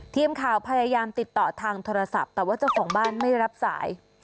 ทีมข่าวพยายามติดต่อทางโทรศัพท์แต่ว่าเจ้าของบ้านไม่รับสาย